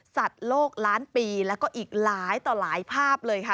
สัตว์โลกล้านปีแล้วก็อีกหลายต่อหลายภาพเลยค่ะ